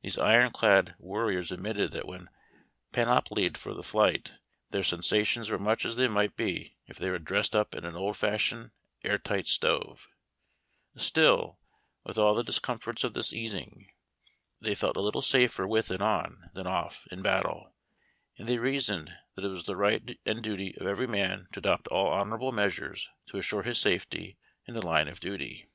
These iron clad war riors admitted that when panoplied for the fight their sensa tions were much as they might be if the}' were dressed up in an old fashioned air tight stove ; still, with all the dis comforts of this casing, they felt a little safer with it on than off in battle, and they reasoned that it was the right and duty of every man to adopt all honorable measures to assure his safety in the line of duty.